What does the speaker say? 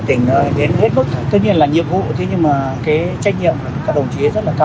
trong khi làm nhiệm vụ thì có các đồng chí